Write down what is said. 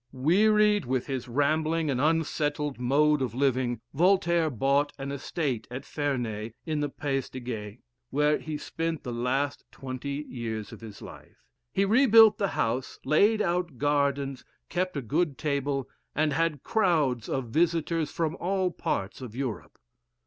Wearied with his rambling and unsettled mode of living, Voltaire bought an estate at Ferney, in the Pays des Gex, where he spent the last twenty years of his life. He rebuilt the house, laid out gardens, kept a good table, and had crowds of visitors from all parts, of Europe.